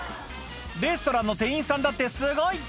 レストランの店員さんだってすごい。